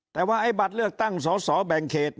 แต่ว่าไอ้บัตรเลือกตั้งสอสอแบ่งเขต